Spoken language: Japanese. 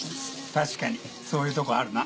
確かにそういうとこあるな。